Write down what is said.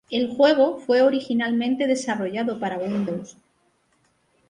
El juego fue originalmente desarrollado para Windows.